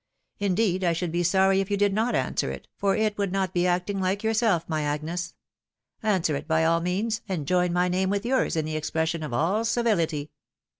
Indeed I should be sorry if you did not answer it, for it would not be acting hke yourself, my Agnes. Answer it by all means, and join my name with youi s in the expression of all civility."